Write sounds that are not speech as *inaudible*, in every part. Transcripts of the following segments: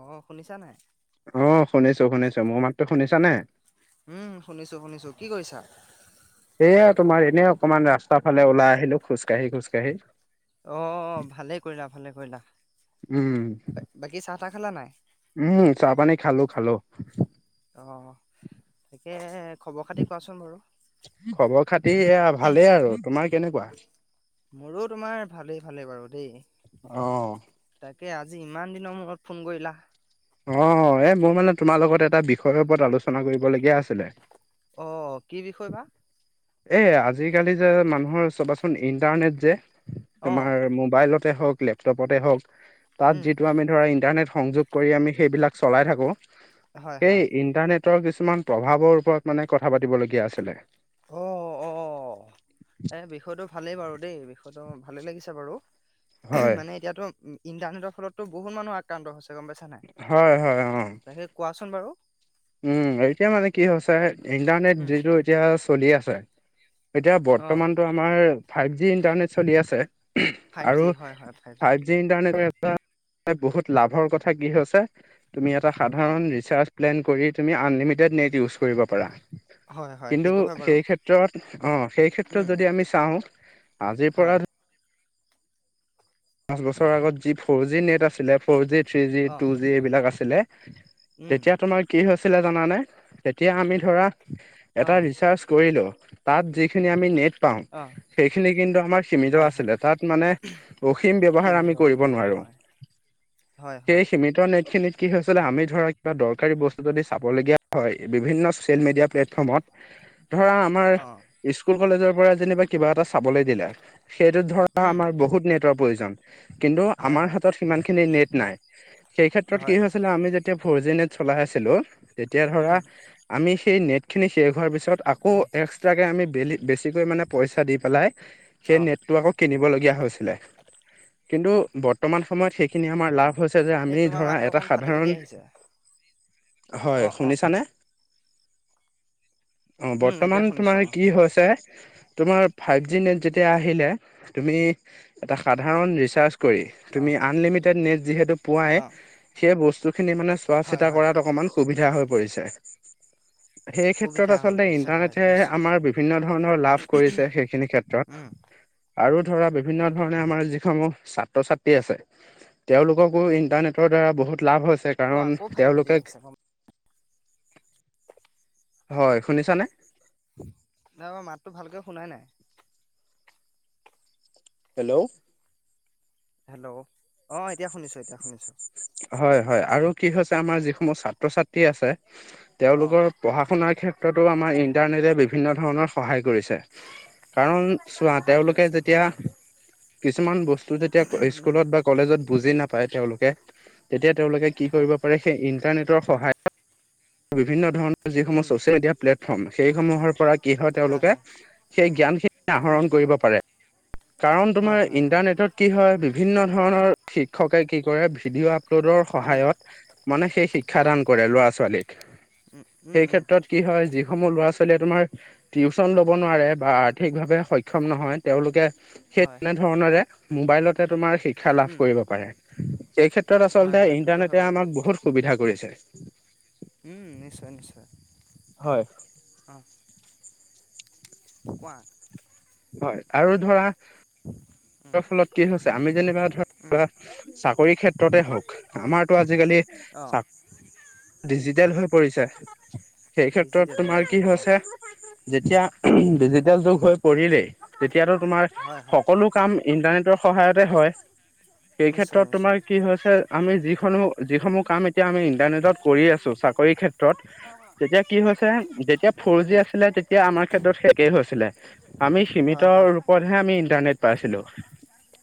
অ শুনিছা নাই? অ শুনিছো শুনিছো। মোৰ মাততো শুনিছা নে? উম শুনিছো শুনিছো। কি কৰিছা? এইয়া তোমাৰ এনেই অকণমান ৰাস্তা ফালে ওলাই আহিলো খোজকাঢ়ি খোজকাঢ়ি। অ ভালেই কৰিলা ভালে কৰিলা। উম, বাকী চাহ তাহ খালা নাই? উম চাহ পানী খালো খালো। অ তাকে খবৰ খাতি কোৱাচোন বাৰু? খবৰ খাতি এয়া ভালেই আৰু। তোমাৰ কেনেকুৱা? মোৰো তোমাৰ ভালেই ভালেই বাৰু দেই। অ', তাকে আজি ইমান দিনৰ মূৰত ফোন কৰিলা। অ এ মোৰ মানে তোমাৰ লগত এটা বিষয়ৰ ওপৰত আলোচনা কৰিবলগীয়া আছিলে। অ কি বিষয় বা এ আজিকালি যে মানুহৰ চাবাচোন ইণ্টাৰনেট যে অ তোমাৰ মোবাইলত তে হওক, লেপটপতে হওক তাত উম যিটো আমি ধৰা ইন্টাৰনেট সংযোগ কৰি আমি সেইবিলাক চলাই থাকো। হয় হয় সেই ইন্টাৰনেট কিছুমান প্ৰভাৱৰ ওপৰত মানে কথা পাতিবলগীয়া আছিলে। অ অ এ বিষয়টো ভালেই বাৰু দেই বিষয়, হয়টো ভালেই লাগিছে বাৰু হয়। মানে এতিয়াতো ইণ্টাৰনেটৰ ফলততো বহুত মানুহ আ, তান্দ হৈছে গম পাইছা নাই হয় হয় অ তাকে কোৱাচোন বাৰু। উম এতিয়া মানে কি হৈছে ইণ্টাৰনেট উম যিটো এতিয়া চলি আছে। এতিয়া অ বৰ্তমানটো আমাৰ ফাইভ জি ইণ্টাৰনেট চলি আছে। ফাইভ আৰু জি হয় হয় ফাইভ জি ইণ্টানেটৰ বহুত লাভৰ কথা কি হৈছে তুমি এটা অ সাধাৰণ ৰিচাৰ্জ, প্ৰেলেন‌ কৰি তুমি আন লিমিটেট নেট ইউজ‌ কৰিব পাৰা। হয়, হয়, কিন্তু সেইটো হয় বাৰু। সেই ক্ষেত্ৰত অ সেই ক্ষেত্ৰত উম, যদি আমি চাওঁ আজিৰ হয়, পৰা। পাঁচ বছৰৰ আগত যি ফ'ৰ জি নেট আছিলে four G three G two অ', জি এইবিলাক আছিলে। উম, তেতিয়া তোমাৰ কি হৈছিলে জানানে তেতিয়া আমি ধৰা এটা অ', ৰিচাৰ্জ। কৰিলো তাত যিখিনি আমি নেট, পাওঁ অ', সেইখিনি কিন্তু আমাৰ সীমিত হয়, হয়, আছিলে তাত মানে। অসীম ব্যৱহাৰ আমি সীমিত, কৰিব সীমিত নোৱাৰো হয়, হয়, হয়, সেই, সিমিটৰ নেট খিনিত কি হৈছিলে আমি ধৰা কিবা দৰকাৰী বস্তু যদি চাবলগীয়া হয় বিভিন্ন চচিয়েল মিডিয়া প্লেফ প্ৰমত ধৰা আমাৰ অ', স্কুল কলেজৰ পৰা যেনিবা কিবা এটা চাবলৈ দিলে সেইটোত ধৰা উম, আমাৰ বহুত নেট, প্ৰযোজন কিন্তু হয়, আমাৰ হয়, হাতত সিমান খিনি নেট ন সেই ক্ষেত্ৰত হয়, কি হৈছিলে আমি যে এতিয়া ফ'ৰ জি নেট চলাই আছিলো তেতিয়া ধৰা উম, আমি সেই নেট খিনি শেষ হোৱাৰ পিছত। আকৌ উম, এক্সটাকে আমি বেলি বেছিকৈ মানে পইচা দি পেলাই সেই অ', নেটটো আকৌ। কিনিবলগীয়া হৈছিলে। কিন্তু বৰ্তমান সময়ত সেইখিনি আমাৰ অ', লাভ হৈছে যে এই আমি তোমাৰ ধৰা মাতটো এটা অকণ ফাটি ফাটি সাধাৰণ। আহিছে। হয় অ', অ', শুনিছানে। অ উম, এতিয়া বৰ্তমান তোমাৰ শুনিছোঁ অ', কি হৈছে। তোমাৰ ফাইভ জি নেট যেতিয়া আহিলে তুমি এটা সাধাৰণ ৰিচাৰ্জ। তুমি অ', আনলিমিটেড নেট যিহেতু পোৱাই। অ', সেই বস্তু খিনি মানে চোৱা হয়, চিতা হয়, কৰাত অকমান সুবিধা হৈ পৰিছে। সেই সুবিধা ক্ষেত্ৰত হৈ আচলতে পৰিছে হয়, ইন্টাৰনেটে নিশ্চয়, আমাৰ বিভিন্ন ধৰণৰ লাভ কৰিছে সেইখিনি ক্ষেত্ৰত। উম, আৰু ধৰা বিভিন্ন ধৰণে আমাৰ যিসমূহ ছাত্ৰ ছাত্ৰী আছে। তেওঁলোককো ইণ্টাৰনেটৰ দ্বাৰা বহুত লাভ হৈছে তো কাৰণ আকৌ ফাটি ফাটি তেওঁলোকে, আহিছে গম হয় শুনিছানে। নাই মই মাতটো ভালকে শুনাই নাই। হেল্ল', হেল্ল' অ এতিয়া শুনিছোঁ এতিয়া শুনিছোঁ। হয় হয় আৰু কি হৈছে আমাৰ যিসমূহ ছাত্ৰ ছাত্ৰী আছে অ', তেওঁলোকৰ। পঢ়া শুনাৰ ক্ষেত্ৰতো আমাৰ ইন্টাৰনেটে বিভিন্ন ধৰণৰ সহায় কৰিছে। কাৰণ চোৱা সহায় তেওঁলোকে কৰিছে হয়, হয়, যেতিয়া কিছুমান বস্তু যেতিয়া স্কুলত বা, কলেজত বুজি নাপায় তেওঁলোকে তেতিয়া তেওঁলোকে কি হয়, কৰিব পাৰে সেই ইণ্টাৰনেটৰ সহায়ত। বিভিন্ন ধৰণৰ যিসমূহ উম, চচিয়েল মিডিয়া প্লেটফৰ্ম সেইসমূহৰ পৰা কি হয় তেওঁলোকে। সেই জ্ঞান খিনি উম। আহৰণ কৰিব পাৰে কাৰণ হয় তোমাৰ হয় হয় ইণ্টাৰনেটত। কি হয় বিভিন্ন ধৰণৰ শিক্ষকে কি কৰে ভিডিঅ', ৰোধৰ উম সহায়ত মানে সেই শিক্ষ হয় দান কৰে ল'ৰা ছোৱালী। উম উম সেই উম ক্ষেত্ৰত কি হয় যিসমূহ ল'ৰা ছোৱালীয়ে তোমাৰ। টিউচন ল'ব নোৱাৰে বা আৰ্থিকভাৱে সক্ষম নহয় তেওঁলোকে। সেই হয় তেনেধৰণৰে মোবাইলতে তোমাৰ। শিক্ষা লাভ উম কৰিব পাৰে সেই ক্ষেত্ৰত হয় আচলতে হয় সেইটো হয় ইণ্টাৰনেটে বাৰু আমাক বহুত সুবিধা কৰিছে। উম নিশ্চয় নিশ্চয়। হয়। অ। কোৱা? হয় আৰু ধৰা *unintelligible* ফলত কি হৈছে আমি যেনিবা ধৰ উম চাকৰি ক্ষেত্ৰতে হওঁক আমাৰতো আজিকালি। অঁ চা ডিজিটেল হৈ পৰিছে। সেই ক্ষেত্ৰত ডিজিটেল তোমাৰ কি ডিজিটেল হয় হৈছে যেতিয়া উম ডিজিটেল যুগ হৈ পৰিলেই। তেতিয়াতো তোমাৰ হয় হয় সকলো কাম ইন্টাৰনেটৰ সহায়তে হয়। সেই নিশ্চয় ক্ষেত্ৰত তোমাৰ নিশ্চয় কি হৈছে আমি যিখনো যিসমূহ কাম এতিয়া আমি ইন্টাৰনেটত কৰি আছো, চাকৰি ক্ষেত্ৰত ক্ৰত তেতিয়া কি হৈছে, যেতিয়া ফৰ জি উম আছিলে, তেতিয়া আমাৰ ক্ষেত্ৰত একেই হৈছিলে। আমি হয় সীমিত হয় ৰূপতহে আমি ইন্টাৰনেট পাইছিলো।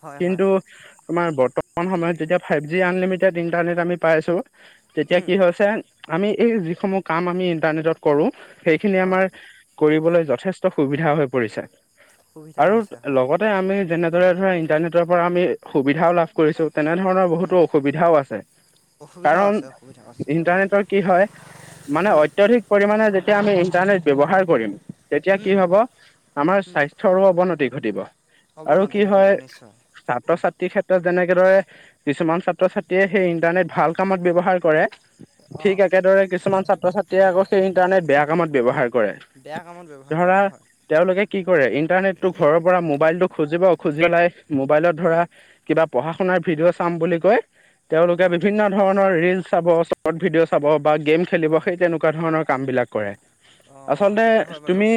হয় হয় কিন্তু আমাৰ বৰ্তমান সময়ত যেতিয়া ফাইভ জি আনলিমিটেড ইণ্টাৰনেট আমি পাইছোঁ, তেতিয়া উম কি হৈছে, আমি এই যিসমূহ কাম আমি ইন্টাৰনেটত কৰো, সেইখিনি অঁ আমাৰ কৰিবলৈ যথেষ্ট সুবিধা হৈ পৰিছে সুবিধা আৰু হৈছে হয় লগত তে আমি যেনেদৰে ধৰা ইণ্টাৰনেটৰ পৰা আমি সুবিধাও লাভ কৰিছো। তেনেধৰণৰ উম বহুতো অসুবিধাও আছে। অসুবিধাও কাৰণ আছে অসুবিধাও আছে হয় ইণ্টাৰনেটৰ কি হয়, মানে উম অত্যধিক পৰিমাণে যেতিয়া আমি ইন্টাৰনেট ব্যৱহাৰ কৰিম, তেতিয়া কি উম হ'ব আমাৰ উম স্বাস্থ ৰো অৱনতি ঘটিব আৰু অৱনতি কি ঘটিব হয় নিশ্চয় উম ছাত্ৰ-ছাত্ৰী ক্ষেত্ৰত যেনেকে ধৰে কিছুমান ছাত্ৰ-ছাত্ৰীয়ে সেই ইন্টাৰনেট ভাল কামত ব্যৱহাৰ কৰে, ঠিক অঁ একেদৰে কিছুমান ছাত্ৰ-ছাত্ৰীয়ে আকৌ সেই ইন্টাৰনেট বেয়া কামত ব্যৱহাৰ কৰে। বেয়া কামত ব্যৱহাৰ ধৰা কৰে হয় তেওঁলোকে কি কৰে ইন্টাৰনেটতো ঘৰৰ পৰা মো মোবাইল টো খুজিব, খুজি পেলাই মোবাইলত ধৰা কিবা পঢ়া শুনাৰ ভিডিঅ' চাম বুলি কৈ, তেওঁলোকে অঁ বিভিন্ন ধৰণৰ ৰীল চাব, শ্বৰ্ট ভিডিঅ' চাব বা গেম খেলিব সেই তেনেকুৱা ধৰণৰ কামবিলাক কৰে। অ আচলতে তুমি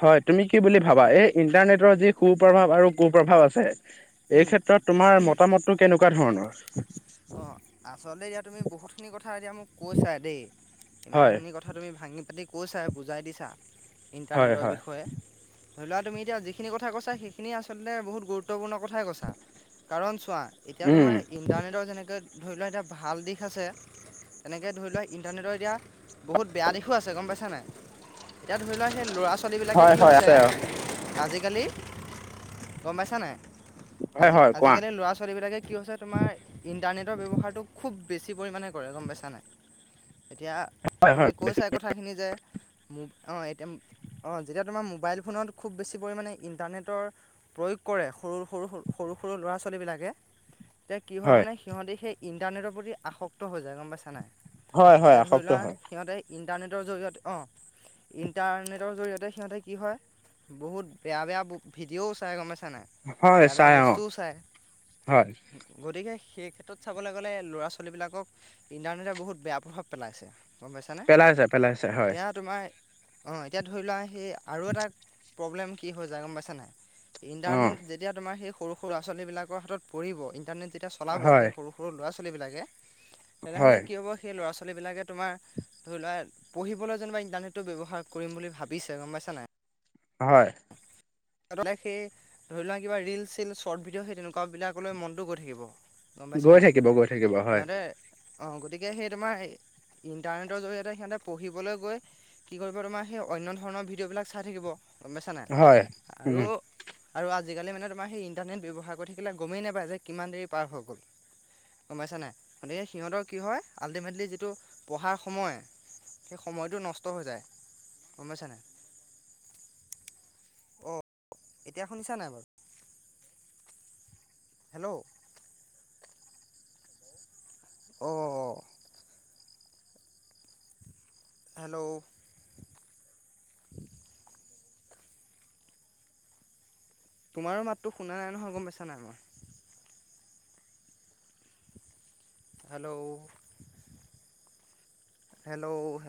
হয় তুমি কি বুলি ভাবা, এই ইণ্টাৰনেটৰ যি সু প্ৰভাৱ আৰু কুপ্ৰভাৱ আছে এই উম ক্ষেত্ৰত তোমাৰ মতামতটো কেনেকুৱা ধৰণৰ? অঁ আচলতে এতিয়া তুমি বহুতখিনি কথা এতিয়া মোক কৈছা দেই, হয়, ইমানখিনি কথ কথা তুমি ভাঙি পাতি কৈছা, বুজাই দিছা হয়, ইণ্টাৰনেটৰ হয়, বিষয়ে ধৰি লোৱা তুমি এতিয়া যিখিনি কথা কৈছা, সেইখিনি আচলতে বহুত গুৰুত্বপূৰ্ণ কথাই কৈছা। কাৰণ চোৱা, এতিয়া উম, তোমাৰ ইণ্টাৰনেটৰ যেনেকৈ ধৰি লোৱা এটা ভাল দিশ আছে তেনেকৈ ধৰি লোৱা ইণ্টাৰনেটৰ এতিয়া বহুত বেয়া দিশো আছে গম পাইছা নাই? এতিয়া ধৰি লোৱাক সেই ল'ৰা-ছোৱালীবিলাকে হয়, কি হয়, হৈছে, আছে অ, আজিকালি গম পাইছা নাই, হয়, আজি হয়, কোৱা। আজিকালি ল'ৰা ছোৱালীবিলাকে কি হৈছে তোমাৰ ইণ্টাৰনেটৰ ব্যৱহাৰটো খুব বেছি পৰিমাণে কৰে গম পাইছা নাই? এতিয়া হয়, তুমি হয়, কৈছা কথাখিনি যে, মোৰ অঁ এটম অঁ যেতিয়া তোমাৰ মোবাইল ফোনত খুব বেছি পৰিমাণে ইণ্টাৰনেটৰ প্ৰয়োগ কৰে। সৰু-সৰু, সৰু-সৰু, সৰু ল'ৰা-ছোৱালীবিলাকে এতিয়া কি হয় মানে সিহঁতি সেই ইণ্টাৰনেটৰ প্ৰতি আসক্ত হৈ যায় গম পাইছা নাই। হয়, হয়, তেতিয়া ধৰি আসক্ত লোৱা হয়, সিহঁতে ইণ্টাৰনেটৰ জৰিয়তে অঁহ, ইণ্টাৰনেটৰ জৰিয়তে সিহঁতে কি হয় বহুত বেয়া বেয়া ভিডিঅ'ও চাই গম পাইছা নাই? হয়, বেয়া বেয়া চাই অ, বস্তুও চাই। হয়, গতিকে সেই ক্ষেত্ৰত চাবলৈ গ'লে ল'ৰা-ছোৱালীবিলাকক ইণ্টাৰনেটে বহুত বেয়া প্ৰভাৱ পেলাইছে। গম পাইছানে, পেলাইছে, পেলাইছে, হয়, এতিয়া তোমাৰ অঁহ এতিয়া ধৰি লোৱা সেই আৰু এটা প্ৰব্লেম কি হৈ যায় গম পাইছা নাই? অ, ইণ্টাৰনেট যেতিয়া তোমাৰ সেই সৰু-সৰু ল'ৰা-ছোৱালীবিলাকৰ হাতত পৰিব, ইণ্টাৰনেট যেতিয়া চলাব হয়, সেই সৰু-সৰু ল'ৰা-ছোৱালীবিলাকে, তেনেহ'লে হয়, কি হ'ব সেই ল'ৰা ছোৱালীবিলাকে তোমাৰ ধৰি লোৱা পঢ়িবলৈ যেনেবা ইণ্টাৰনেটো ব্যৱহাৰ কৰিম বুলি ভাবিছে গম পাইছা নাই। হয়। হাঁত দাইৰেক্ট সেই ধৰি লোৱা কিবা ৰীল চিল। শ্বৰ্ট ভিডিঅ' সেই তেনেকুৱা বিলাক লৈ মনতটো গৈ থাকিব। গম পাইছো গৈ নাই? থাকিব, গৈ থাকিব, হয়, সিহঁতে অঁহ গতিকে সেই তোমাৰ ইণ্টাৰনেটৰ জৰিয়তে সিহঁতে পঢ়িবলৈ গৈ কি কৰিব তোমাৰ সেই অন্য ধৰণৰ ভিডিঅ' বিলাক চাই থাকিব, গম পাইছা নাই হয়, উম, আৰু আৰু আজিকালি মানে তোমাৰ সেই ইণ্টাৰনেট ব্যৱহাৰ কৰি থাকিলে গমেই নাপায় যে, কিমান দেৰি পাৰ হৈ গ'ল। গম পাইছা নাই গতিকে সিহঁতৰ কি হয় আল্টিমেটলি যিটো পঢ়াৰ সময়- সেই সময়টো নষ্ট হৈ যায়, গম পাইছা নাই। অঁহ, এতিয়া শুনিছা নাই বাৰু? হেল্ল' অহঁ অহঁ হেল্ল' তোমাৰ মাতটো শুনা নাই নহয়, গম পাইছা নাই মই? Hello hello hello